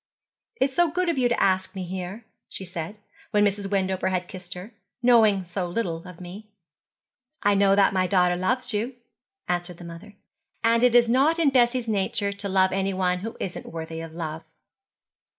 'It is so good of you to ask me here,' she said, when Mrs. Wendover had kissed her, 'knowing so little of me.' 'I know that my daughter loves you,' answered the mother, 'and it is not in Bessie's nature to love anyone who isn't worthy of love.'